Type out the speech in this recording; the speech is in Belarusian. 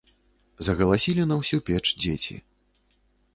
Загаласілі на ўсю печ дзеці.